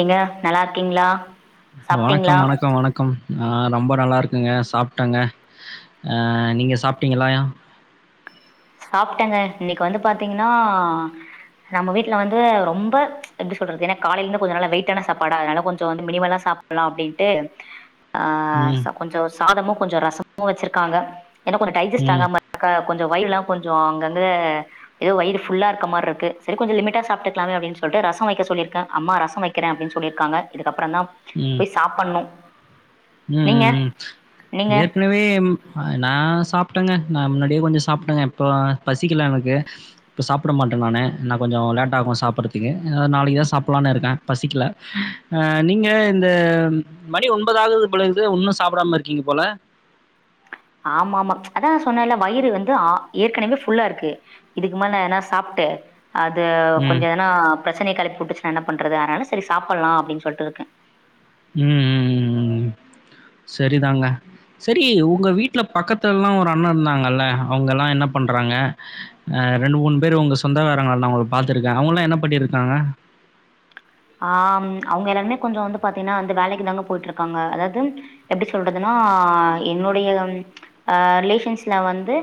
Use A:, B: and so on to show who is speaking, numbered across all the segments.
A: ஏங்க நல்லா இருக்கீங்ளா சாப்ட்டீங்ளா
B: கம் நா ரொம்ப நல்லாருக்கங்க சாப்டாங்க ஆ நீங்க சாப்டீங்களா
A: சாப்டங்க இன்னைக்கு வந்து பாதீங்னா நம்ம வீட்ல வந்து ரொம்ப எப்டி சொல்றது ஏனா காலைலருந்து கொஞ்ச நல்லா வெய்டான சாப்பாட அதனால கொஞ்ச வந்து மினிமலா சாப்புடலா அப்டின்ட்டு ஆ
B: ம்,
A: ச கொஞ்ச சாதமு கொஞ்ச ரசமு வெச்சிருக்காங்க ஏனா கொஞ்ச டைஜஸ்ட்
B: ம்,
A: ஆகாம ருக்கா கொஞ்ச வயிறுலா கொஞ்ச அங்கங்க எதோ வயிறு ஃபுல்லா இருக்க மார்ருக்கு செரி கொஞ்ச லிமிட்டா சாப்ட்டுக்லாமே அப்டினு சொல்ட்டு ரச வெக்க சொல்லிருக்க அம்மா ரச வெக் க்கிறே அப்டின் சொல்லிருக்காங்க இதுக்கப்றந்தா
B: ம்
A: போய் சாப்பட்ணு
B: ம்
A: நீங்க
B: ம் ம்
A: நீங்க
B: ஏற்கனவே ம் அ நா சாப்டங்க நா முன்னாடியே கொஞ்ச சாப்டங்க இப்போ பசிக்கலா எனக்கு இப்ப சாப்ட மாட்ட நானு இன்ன கொஞ்சோ லேட்டாகு சாப்ட்றத்துக்கு இல்லனா நாளைக்கு தா சாப்புட்லானு இருக்கே பசிக்கல அ நீங்க இந்த மணி ஒன்பதாகுது அப்பலருந்து உன்னு சாப்டாம இருக்கீங்க போல
A: ஆமாமா அதா சொன்னேல வயிறு வந்து ஆ ஏற்கனவே ஃபுல்லா இருக்கு இதுக்கு மேல் நா எனா சாப்ட்டு அது
B: ம்,
A: கொஞ்ச ஏனா ப்ரச்சனய கெளப்பி வுட்டுச்சுன்னா என்ன பண்றது அதனால சரி சாப்பலா அப்டின் சொல்ட்டுருக்கே
B: ம் ம் ம் ம் ம் செரிதாங்க செரி உங்க வீட்ல பக்கத்தல்லா ஒரு அண்ண இருந்தாங்கல அவுங்கல்லா என்ன பண்றாங்க ஆ ரெண்டு மூண் பேரு உங்க சொந்தகாரங்கள்லா அவுங்கள பாத்துருக்கே அவுங்கல்லா என்ன பண்ணிருக்காங்க
A: ஆம் அவுங்க எல்லாருமே கொஞ்சோ வந்து பாத்தீன்னா அந்த வேலைக்கு தாங்க போயிட்டுருக்காங்க அதாது எப்டி சொல்றதுன்னா அ என்னுடையம் அ ரிலேஷன்ஸ்ல வந்து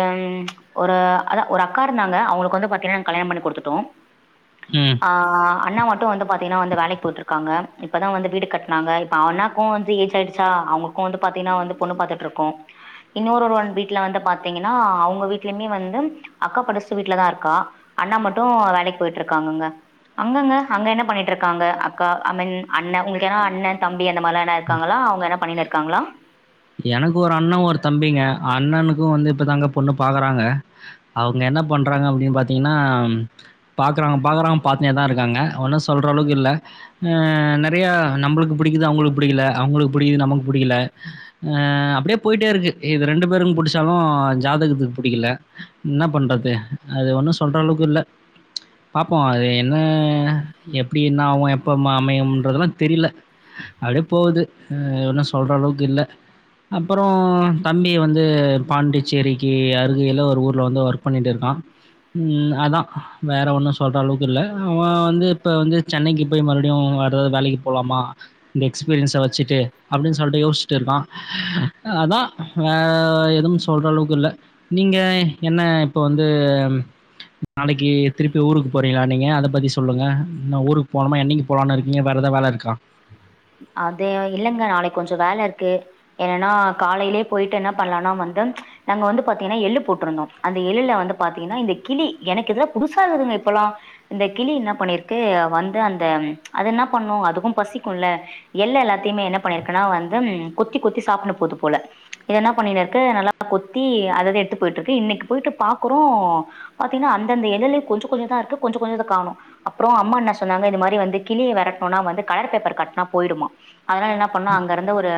A: ம் ஒரு அதா ஒரு அக்கா இருந்தாங்க அவங்களுக்கு வந்து பாத்தீன்னா நாங் கல்யாண் பண்ணி குடுத்துட்டோ
B: ம்
A: ஆ அண்ணா மார் க்கு வந்து பாத்தீங்கன்னா அந்த வேலைக்கு போயிட்டுருக்காங்க இப்பதா வந்து வீடு கட்னாங்க இப்ப அண்ணாக்கூ வந்து ஏஜ் ஆயிடுச்சா அவுங்க க்கூ வந்து பாத்தீங்கன்னா வந்து பொண்ணு பாத்துட்ருக்கோ இன்னொரு ஒருவன் வீட்ல வந்து பாத்தீங்கன்னா அவுங்க வீட்லைமே வந்து அக்கா பக்கசு வீட்லதா இருக்கா அண்ணா மட்டு வேலைக்கு போயிட்ருக்காங்கங்க ஆமாங்க அவங்க என்ன பண்ணிட்ருக்காங்க அக்கா அ மீன் அண்ண உங்களுக்கு ஏனா அண்ண தம்பி அந்த மார்லா எதனா இருக்காங்களா அவங்க என்ன பண்ணினு இருக்காங்களா
B: எனக்கு ஒரு அண்ண ஒரு தம்பிங்க அண்ணனுக்கு வந்து இப்ப தாங்க பொண்ணு பாக்கறாங்க அவங்க என்ன பண்றாங்க அப்டின் பாத்தீங்கன்னா பாக்றாங்க பாகறாங் பாத்துனே தா இருக்காங்க ஒன்னு சொல்ற அளவுக்கு இல்ல ஆ நெறைய நம்ளுக்கு புடிக்குது அவங்களுக்கு புடிக்கல அவங்களுக்கு புடிக்குது நமக்கு புடிக்கல அ அப்டியே போயிட்டே இருக்கு இது ரெண்டு பேருக்கு புடிச்சாலு ஜாதகத்துக்கு புடிக்கல என்ன பண்டது அது ஒன்னு சொல்ற அளவுக்கு இல்ல பாப்போ அது என்ன எப்டி என்ன ஆவு எப்பமா அமையும்ன்றதெல்லா தெரியல அப்டியே போகுது அ ஒன்னு சொல்ற அளவுக்கு இல்ல அப்பறோ தம்பி வந்து பாண்டிச்சேரிக்கு அருகையில ஒரு ஊர்ல வந்து ஒர்க் பண்ணிட்டு இருக்கா ம் அதா வேற ஒன்னு சொல்ற அளவுக்கு இல்ல அவ வந்து இப்ப வந்து சென்னைக்கு போய் மறுபடியு வேற எதா வேலைக்கு போலாமா இந்த எக்ஸ்பீரியன்ஸ வச்சுட்டு அப்டின் சொல்ட்டு யோசிச்சுட்டு இருக்கா அதா வ எதுவு சொல்ற அளவுக்கு இல்ல நீங்க என்ன இப்போ வந்து நாளக்கி திரும்பி ஊருக்கு போறீங்களா நீங்க அத பத்தி சொல்லுங்க ந ஊருக்கு போனுமா என்னக்கி போலானு இருக்கீங்க வேற எதா வேல இருக்கா
A: அதே இல்லங்க நாளை கொஞ்சோ வேல இருக்கு என்னனா காலைலயே போயிட்டு என்ன பண்லானா வந்து நாங்க வந்து பாத்தீங்கன்னா எள்ளு போட்ருந்தோ அந்த எள்ளுல வந்து பாத்தீங்கன்னா இந்த கிளி எனக்கு இதுலா புதுசா இருந்துதுங்க இப்பலா இந்த கிளி என்ன பண்ணிருக்கு வந்து அந்த அது என்ன பண்ணு அதுக்கு பசிக்குல்ல எள்ளு எல்லாத்தையுமே என்ன பண்ணிருக்கன்னா வந்தும் கொத்தி கொத்தி சாப்னு போது போல இது என்ன பண்ணினிருக்கு நல்லா கொத்தி அதத எத்து போயிட்ருக்கு இன்னைக்கு போயிட்டு பாக்குறோ பாத்தீங்கன்னா அந்த அந்த எள்ளுலே கொஞ்சோ கொஞ்சோ தா இருக்கு கொஞ்சோ கொஞ்சத்த காணு அப்றோ அம்மா என்ன சொன்னாங்க இந்த மாரி வந்து கிளிய வெரட்னுனா வந்து கலர் பேப்பர் கட்னா போயிடுமா அதனால என்ன பண்ணா அங்க இருந்து ஒரு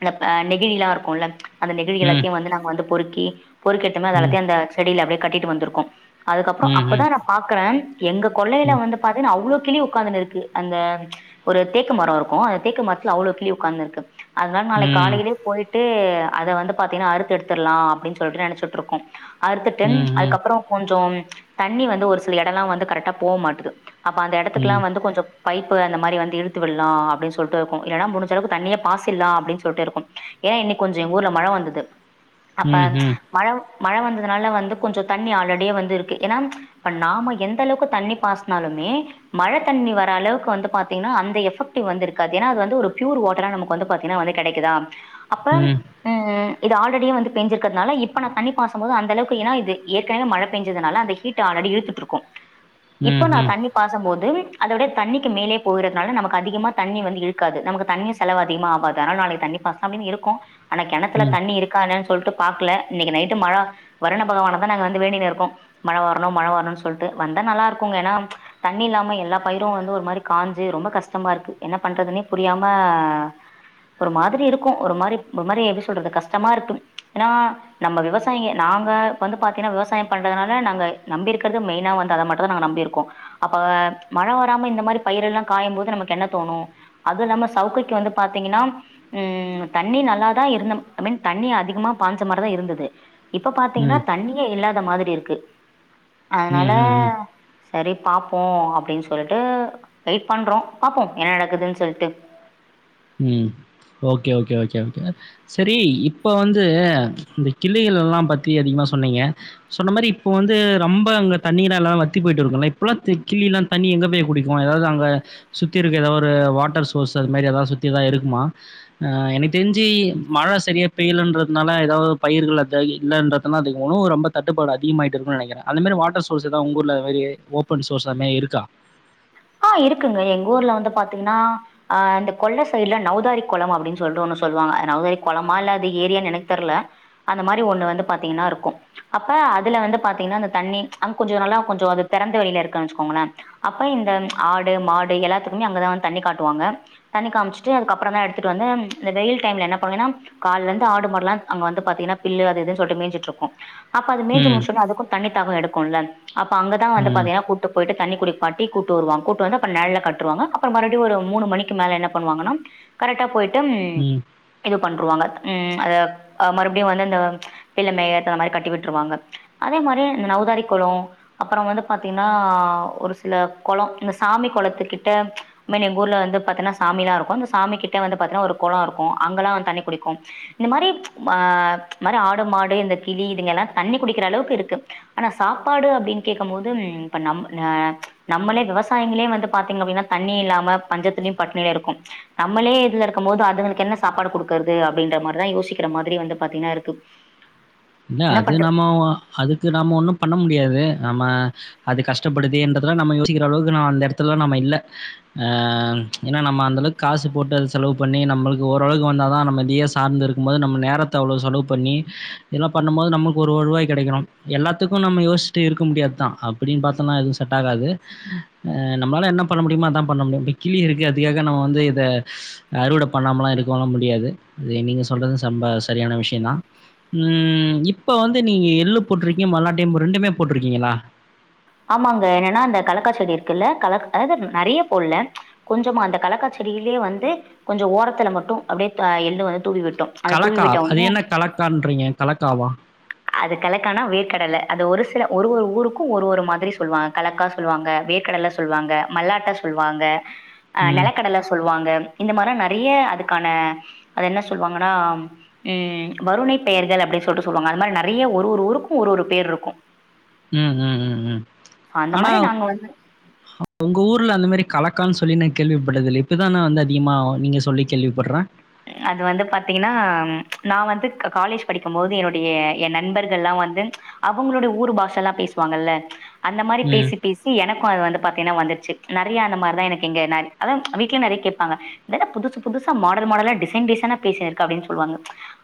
A: அந்தப்ப நெகிழிலா இருக்குல்ல அந்த நெகிழி
B: ம்,
A: எல்லாத்தையு வந்து நாங்க வந்து பொறுக்கி பொருள்க்கேத்த மாரி அத
B: ம்,
A: எல்லாத்தையு அந்த செடியில அப்டியே கட்டிட்டு வந்துருக்கோ அதுக்கப்றோ
B: ம்,
A: அப்பதா
B: ம்,
A: நா பாக்குறே எங்க கொள்ளையில
B: ம்,
A: வந்து பாத்தீன்னா அவ்ளோ கிளி உக்காந்துனு இருக்கு அந்த ஒரு தேக்க மரோ இருக்கு அந்த தேக்கு மரத்தில அவ்ளோ கிளி உக்காந்திருக்கு அதனால நாளைக்கு
B: ம்,
A: காலையிலே போயிட் டு அத வந்து பாத்தீங்கன்னா அறுத்து எடுத்துரலா அப்டின்னு சொல்ட்டு நெனைச்சுட்டு இருக்கோ அறுத்துட்டு
B: ம், ம்,
A: அதுக்கப்பறோ கொஞ்சோ தண்ணி வந்து ஒரு சில எடல்லா வந்து கரெக்டா போ மாட்டுது அப்ப அந்த எடத்துக்குல்லா
B: ம்.
A: வந்து கொஞ்சோ பைப்பு அந்த மாரி வந்து இழு த்து விடலா அப்டின்னு சொல்ட்டு இருக்கு இல்லன்னா முடிஞ்சளவுக்கு தண்ணிய பாசில்லா அப்டின்னு சொல்ட்டு இருக்கு ஏனா இன்னைக்கி கொஞ்சோ எங்க ஊர்ல மழ வந்தது
B: [inaudible]
A: அப்ப
B: ம்ஹ்ம்.
A: மழ மழ வந்ததுனால வந்து கொஞ்சோ தண்ணி ஆல்ரெடியே வந்து இருக்கு ஏன்னா இப்ப நாம எந்த அளவுக்கு தண்ணி பாசனாலுமே மழ தண்ணி வர அளவுக்கு வந்து பாத்தீங்கன்னா அந்த சுத்தி வந்திருக்காது ஏன்னா அது வந்து ஒரு பியூர் வாட்டர் ஆ நமக்கு வந்து பாத்தீங்கன்னா வந்து கெடைக்குதா அப்ப ம்
B: [inaudible]
A: இது ஆல்ரெடிய வந்து பெஞ்சிருக்கிறதுனால இப்ப நா தண்ணி பாசும்போது அந்த அளவுக்கு ஏனா இது ஏற்கனவே மழ பேஞ்சதுனால அந்த ஹீட் டா ஆல்ரெடி இழுத்துட்டு இருக்கு
B: [inaudible]
A: இப்ப நா
B: ம்ஹ்ம்.
A: தண்ணி பாசும் போது அதோட தண்ணிக்கு மேலே போறிறதுனால நமக்கு அதிகமா தண்ணி வந்து இழுக்காது நமக்கு தண்ணி செலவு அதிகமா ஆவாது அதனால நாளைக்கு தண்ணி பத்தாமையு இருக்கு ஆனா கெணத்துல
B: ம்.
A: தண்ணி இருக்கானு சொல்லிட்டு பாக்கல இன்னைக்கி நைட்டு மழ வருண பகவான தா நாங்க வந்து வேண்டின்னு இருக்கோ மழ வர்ணு மழ வர்ணுனு சொல்ட்டு வந்தா நல்லா இர்க்குங்க ஏனா தண்ணி இல்லாம எல்லா பய்ரு வந்து ஒரு மாரி காஞ்சு ரொம்ப கஷ் டமார்க்கு என்ன பண்றதுன்னே புரியாமே ஒரு மாதிரி இருக்கு ஒரு மாரி ஒரு மாரி எப்டி சொல்றது கஷ்டமா இருக்கும் எனா நம்ம விவசாயிங்க நாங்க வந்து பாத்தின்னா விவசாயம் பண்றத்னால நாங்க நம்பியிருக்றது மெயினா வந்து அத மட் டுத நாங்க நம்பிருக்கோ அப்ப மழ வராம இந்த மாரி பயிரெல்லா காயும்போது நமக் கு என்ன தோணு அதுல்லாம சவுகைக் வந்து பாத்திங்க்ன்னா ம் தண்ணி நல்லாதா இருந்தம் ஐ மீன் தண்ணி அதிகமா பாஞ்ச மாரிதா இருந்தது இப்ப பாத்திங்க்னா
B: ம்.
A: தண்ணியே இல்லாத மாதிரி இருக்கு அத்னால
B: ம்ஹ்ஹ்ம்.
A: சரி பாப்போ அப்டின் சொல்லிட்டு வெயிட் பண்றோ பாப்போம் என்ன நடக்குதுன் சொல்ட்டு
B: ம் ஓகே ஓகே ஒகே ஒகே செரி இப்ப வந்து இந்த கிள்ளைகலெல்லா பத்தி அதிகமா சொன்னிங்க சொன்னமாரி இப்பொ வந்து ரொம்ப அங்க தண்ணீரல்லா வத்தி பொய்ட்டிருக்கு இல்ல இப்பலா திக் கிளியெல்லா தண்ணி எங்க போய் குடிக்கு எதாவது அங்க சுத்தி இருக்க எதாவொரு வாட்டர் சோர்ஸ் அதுமாரி எதாவது சுத் தி எதா இர்குமா ஆ எனக் தெர்ஞ்சி மழ செரியா பெய்யலன்றத்னால எதாவது பயிர்கள் அத இல்லென்றத் [unintelligible] ரொம்ப தட்டுப்பாடு அதிகமாய்ட் இருக்னுன் நெனக்றே அந்த மாரி வாட்டர் சோர்ஸ் எதா உங்க ஊர்ல மாரி ஓப்பன் சோர்ஸ் அத்மாரி இருக்கா
A: ஆ இருக்குங்க எங்க ஊர்ல வந்து பாத்திங்ன்னா ஆ அந்த கொள்ள சைடு்ல நௌதாரி கொளம் அப்டின் சொல்ட் ஒன் சொல்வாங்க நௌதாரி கொளமா இல்ல அது ஏரியான் எனக்த் தெர்லெ அந்தமாரி ஒண்ணு வந்து பாத்திங்ன்னா இர்க்கு அப்ப அதுல வந்து பாத்திங்ன்னா அந்த தண்ணி அங்க் கொஞ்சொ நல்லா கொஞ்சோ அது தெறந்த வெளியில இருக்ன் வெச்சுக்கோங்ளே அப்ப இந்த ஆடு மாடு எல்லாத்குமே அங்கதா வந்து தண்ணி காட்டுவாங்க தண்ணி காமிச்ட்டு அதுக்கப்றம் தா எடுத்ட்டு வந்து இந்த வெயில் டைம்ல என்ன பண்ணெனா கால்லெந்து ஆடுமாடலான் அங்க வந்து பாத்திங்ன்னா பில்லு அது இதுன் சொல்ட்டு மேஞ்சிட்ருக்கு அப்ப அது மேஞ்சு
B: ம்.
A: முடிச்சொன்னெ அதுக்கு தண்ணி தாகோ எடுக்குல்ல அப்ப அங்கதா வந்து
B: ம்,
A: பாத்திங்னா கூட்டு பொய்ட்டு தண்ணி குடிப்பாட்டி கூட்டு வருவாங் கூட்டுவந்து அப்ற நெழல்ல கட்டுவாங்க அப்ற மறொடியு ஒரு மூணு மணிக் மேல என்ன பண்ணுவாங்கனா கரெட்டா போய்ட்டு ம் இது பண்ட்ருவாங்க ம் அத் அ மற்படியு வந்து இந்த பில்லு மேய அந்த மாரி கட்டி விட்ருவாங்க அதே மாரி இந்த நெளதாரி கொளோ அப்றோ வந்து பாத்தீங்னா ஒரு சில கொளோ இந்த சாமி கொளத்துக்கிட்ட மைனி எங்கூர்ல வந்து பாத்தன்னா சாமிலா இர்க்கு அந்த சாமி கிட்ட வந்து பாத்தின்னா ஒரு கொளோருக்கு அங்கல்லா வன் தண்ணி குடிக்கு இந்த மாரி ஆ மாரி ஆடு மாடு இந்த கிளி இதுங்கல்லா தண்ணி குடிக்கிற அளவுக்கிருக்கு ஆனா சாப்பாடு அப்டின் கேக்கம்போது ம் இப்ப நம் ஆ நம்மளே விவ சாயிங்ளே வந்து பாத்தீங்க அப்டின்னா தண்ணி இல்லாம பஞ்சத்லியு பட்னிலருக்கோ நம்மளே இதுல இர்க்கம்போது அதுங்களுக்கென்ன சாப்பாடு குடுக்கற்து அப்டின்ற மார்தா யோசிக்கிற மாத்ரி வந்து பாத்தீங்னா இருக்கு
B: இல்ல
A: என்ன
B: அது
A: பண்ற
B: நம்மோ அதுக்கு நம்ம ஒண்ணு பண்ண முடியாது நம்ம அது கஷ்டப்படுதேன்றதலா நம்ம யோசிக்கிற அளவுக்கு நா அந்த எடத்துல நாம இல்ல ஆ ஏனா நம்ம அந்தளவுக் காசு போட்டு அத செலவு பண்ணி நம்மள்க்கு ஓரளவுக்கு வந்தா தா நம்ம டி‌ எஸ் சார்ந்திருக்கும்போது நம்ம நேரத்த அவ்ளோ செலவு பண்ணி இதல்லா பண்ணம்போது நமக்கு ஒரு வருவாய் கெடைக்கனும் எல்லாத்துக்கு நம்ம யோச்ட்டே இருக்க முடியாதா அ ப்டின் பாத்தனா எது செட்டாகாது ஆ நம்ளால என்ன பண்ண முடிமோ அதா பண்ண முடியு இப்ப கிளி இருக்கு அதுக்காக நம்ம வந்து இத அறுவட பண்ணாமலா இருக்கவுலா முடியாது அது நீங்க சொல்றது சம்ப சரியான விஷ்யந்தா ம் இப்ப வந்து நீங்க எள்ளு போட்ருக்கீங்க மல்லாட்டெய் போ ரெண்டுமே போட்ருக்கீங்களா
A: ஆமாங்க என்னனா அந்த கலக்கா செடி இருக்குல்ல கலக் அதாது நறைய போட்ல கொஞ்சமா அந்த கலக்கா செடியிலே வந்து கொஞ்சொ ஓரத்துல மட்டு அப்டே த எள்ளு வந்து தூவி விட்டோ
B: கலக்கா அது என்ன கலக்கான்றீங்க கலக்காவா
A: அது கலக்கானா வேர்க்கடல அது ஒரு சில ஒரு ஒரு ஊருக்கு ஒரு ஒரு மா த்ரி சொல்வாங் கலக்கா சொல்வாங்க வேர்க்கடல சொல்வாங்க மல்லாட்ட சொல்வாங்க ஆ
B: ம்.
A: நெலக்கடல சொல்வாங்க இந்த மார்லா நறைய அதுக்கான அது என்ன சொல்வாங்கன்னா ம் வருணை பெயர்கள் அப்டி சொல்ட்டு சொல்வாங்க அது மாரி நறைய ஒரு ஒரு ஊருக்கு ஒரு ஒரு பேர்ருக்கு
B: ம் ம் ம் ம்
A: ஸோ அந்த மாரி நாங்க வந்து
B: உங்க ஊர்ல அந்த மாரி கலக்கான் சொல்லி நா கேள்விப்பட்டதில்லே இப்பதா நா வந்து அதிகமா நீங்க சொல்லி கேள்விப்பட்றே
A: அது வந்து பாத்தீங்ன்னா நா வந்து க காலேஜ் படிக்கும்போது என்னுடைய எ நண்பர்கள்லா வந்து அவுங்களோடைய ஊர் பாஷல்லா பேசுவாங்கல்ல அந்த மாரி
B: ம்.
A: பேசி பே சி எனக்கு அது வந்து பாத்தீனா வந்துர்ச்சு நறைய அந்த மார்தா எனக்கு இங்க நா அதா வீட்ல நறய கேப்பாங்க இதென்ன புதுசு புதுசா மாடல் மாடலா டிசைன் டிசைனா பேசினிருக்க அப்டின் சொல்வாங்க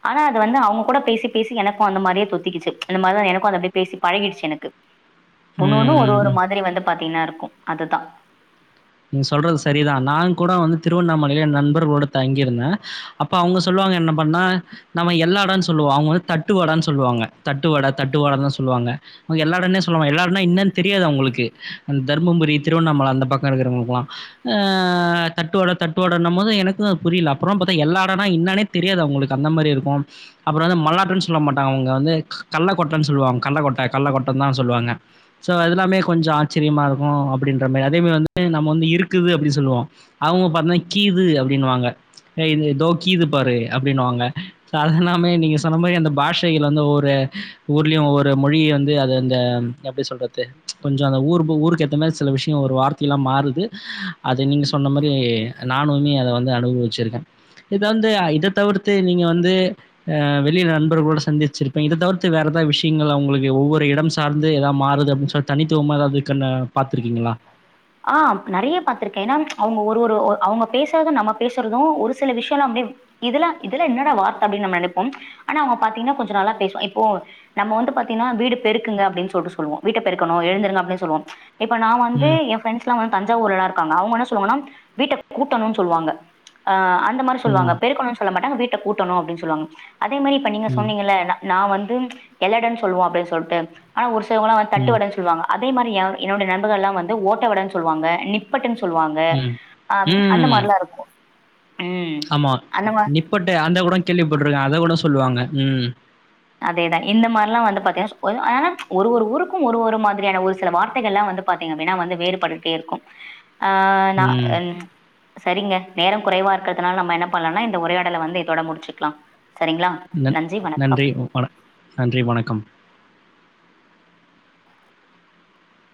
A: ஆனா அது வந்து அவுங்க கூட பேசி பேசி எனக்கு அந்த மாரியே தொத்திக்கிச்சு அந்த மார்தா எனக்கு அது அப்டியே பேசி பழகிர்ச்சு எனக்கு ஒன்னு
B: ம்,
A: ஒன்னு ஒரு
B: ம்,
A: ஒரு
B: ம்.
A: மாதிரி வந்து பாத்தீங்கன்னா இருக்கு அதுதா
B: நீங்க சொல்றது சரிதா நான்கூட வந்து திருவண்ணாமலைல என் நண்பர்களோட தங்கியிருந்தே அப்ப அவுங்க சொல்வாங்க என்ன பண்ண நம்ம எள்ளடன் சொல்வோ அவுங்க வந்து தட்டு வடன் சொல்வாங்க தட்டுவட தட்டு வடன் தா சொல்வாங்க அவுங்க எள்ளாடன்னே சொல்லுவாங்க எள்ளாடன்னா என்னன் தெரியாது அவுங்களுக்கு தர்மபுரி திருவண்ணாமல அந்த பக் கோ இருக்றவங்ளுக்லா ஆ தட்டுவட தட்டுவடன்னம் போது எனக்கு அது புரில அப்றமா பாத்தா எள்ளாடனா இன்னானே தெரியாது அவுங்களுக்கு அந்த மாரி இருக்கு அப்றோ வந்து மல்லாட்டன் சொல்ல மாட்டாங்க அவுங்க வந்து கல்லக்கொட்டன் சொல்வாங் கல்லக்கொட்ட கல்லக்கொட்டன் தா சொல்வாங்க ஸோ அதுல்லாமே கொஞ்சொ ஆச்சிரியமாருக்கு அப்டின்ற மாரி அதேமாரி வந்து நம்ம வந்து இருக்குது அப்டி சொல்லுவோ அவுங்க பாத்தன்னா கீது அப்டின்னுவாங்க ஏ இ இதோக்கீது பாரு அப்டின்னுவாங்க ஸோ அது எல்லாமே நீங்க சொன்ன மாரி அந்த பாஷைகள் வந்து ஒவ்வொரு ஊர்லயு ஒவ்வொரு மொழி வந்து அது அந்த எப்டி சொல்றது கொஞ்சோ அந்த ஊர்பு ஊருக்கேத்த மாரி சில விஷ்யோ ஒரு வார் ஃபீலா மாறுது அத நீங் சொன்ன மாரி நானுமே அத வந்து அனுபுவுச்சுருக்க இப்ப வந்து இத தவுர்த்து நீங்க வந்து அ வெளில நண்பர்குளோட சந்திச்சிருப்பீங் இத தவிர்த்து வேற எதா விஷ்யங்கள உங்ளுக்கு ஒவ்வொரு இடம் சார்ந்து எதா மாறுது அப்பின்ஸ் ஒர் தனித்துவமா எதா இர்க்குன்னு பாத்துருக்கீங்குளா
A: ஆ நெறைய பாத்துருக்கே ஏனா அவ்ங்க ஒரு ஒரு அவ்ங்க பேசாத நம்ம பேசுறது ஒரு சில விஷ்யோலா அப்டே இதுலா இதலா என்னடா வார்த்த அப்டின் நம்ம நெனைப்போம் ஆனா அவ்ங்க பாத்தீங்னா கொஞ்சோ நல்லா பேசுவா இப்போ நம்ம வந்து பாத்தீங்னா வீடு பெருக்குங்க அப்டின் சொல்ட்டு சொல்வோ வீட்ட பெருக்கணு எழுந்துருங்க அப்டின் சொல்லுவோ இப்ப நாம வந்து
B: ம்,
A: எஃப் ஃபிரெண்ஸ்லா வந் தஞ்சாவூர்லளா இருக்காங்க அவ்ங்க என்ன சொல்வாங்கனா வீட்ட கூட்டணுன் சொல்வாங்க அ அந் த மாரி சொல்வாங்க
B: ம்,
A: பெருக்கனுன் சொல்ல மாட்டாங்க வீட்ட கூட்டணு அப்டின் சொல்வாங்க அதே மாரி இப்ப நீங்க
B: ம்,
A: சொன்னீங்கல நா வந்து எல்லடன் சொல்வோ அப்டின் சொல்ட்டு ஆனா ஒருசிலவ்ங்ளா வந்
B: ம்,
A: தட்டுவடன் சொல்வாங்க அதே மாரி எ என்னோட நண்பர்களா வந்து ஓட்டவடன் சொல்வாங்க நிப் பட்டுன் சொல்வாங்க
B: ம்,
A: அம் அந்த
B: ம்.
A: மாரிதா இருக்கு
B: ஆமா நிப்பட அந்த கூடோ கேள்விப்பட்ருக்க அத கூட சொல்லுவாங்க ம்
A: அதேதா இந்த மார்லா வந்து பாத்தீனா ஒரு ஆ ஒரு ஒரு ஊருக்கு ஒரு ஒரு மாதிரியான ஒரு சில வார்த்தைகலா வந்து பாத்தீங்க அப்டினா வந்து வேறுபட்டுக்டே இருக்கு ஆ நா
B: ம்.
A: என் சரிங்க நேரோ குறைவா இருக்கற்துனால நம்ம என்ன பண்லானா இந்த உரையாடல வந்து இதோட முடிச்சுக்லா செரிங்ளா
B: நன் நன்றி வண நன்றி வணக்கம்